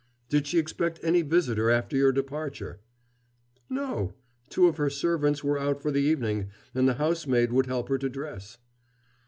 "Did she expect any visitor after your departure?" "No. Two of her servants were out for the evening, and the housemaid would help her to dress."